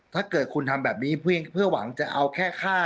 ถ้าเกิดคุณทำแบบนี้เพื่อหวังจะเอาแค่ฆ่า